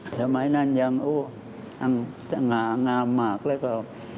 สมัยนั้นยังสง่างามมากแล้วก็